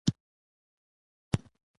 ډیری هغه افراد د غچ اخیستنې ګواښ کوي